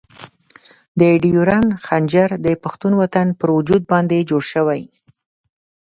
د ډیورنډ خنجر د پښتون وطن پر وجود باندې جوړ شوی.